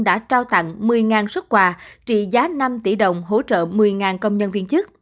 đã trao tặng một mươi xuất quà trị giá năm tỷ đồng hỗ trợ một mươi công nhân viên chức